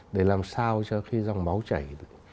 để làm sao cho khi dòng máu chảy